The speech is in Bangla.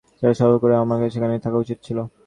সেটা সহ্য করেও কি আমার সেখানে থাকা উচিত ছিল?